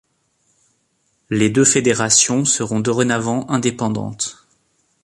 Les deux fédérations seront dorénavant indépendantes.